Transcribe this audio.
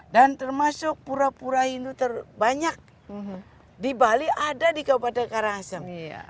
dan termasuk pura pura hindu terbanyak di bali ada di kabupaten karangasem